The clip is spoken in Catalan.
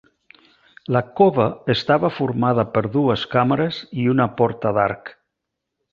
La cova estava formada per dues càmeres i una porta d'arc.